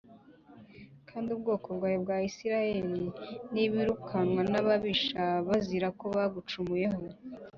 “Kandi ubwoko bwawe bwa Isirayeli nibirukanwa n’ababisha bazira ko bagucumuyeho